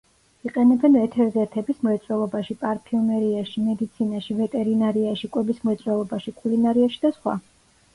იყენებენ ეთერზეთების მრეწველობაში, პარფიუმერიაში, მედიცინაში, ვეტერინარიაში, კვების მრეწველობაში, კულინარიაში და სხვა.